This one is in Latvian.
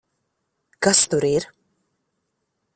Kas tur ir?